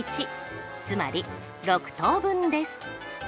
つまり６等分です。